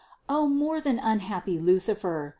O more than unhappy Lucifer!